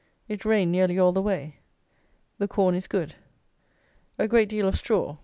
It rained nearly all the way. The corn is good. A great deal of straw.